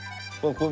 これ。